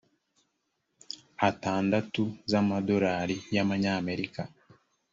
atandatu z amadolari y abanyamerika